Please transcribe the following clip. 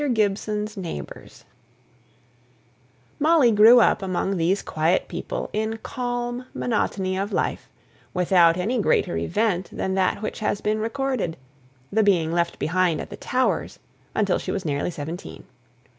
GIBSON'S NEIGHBOURS. [Illustration (untitled)] Molly grew up among these quiet people in calm monotony of life, without any greater event than that which has been recorded the being left behind at the Towers until she was nearly seventeen.